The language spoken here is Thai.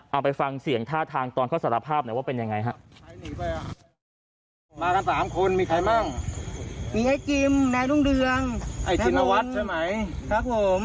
เอาไปฟังเสียงท่าทางตอนเขาสารภาพหน่อยว่าเป็นยังไงฮะ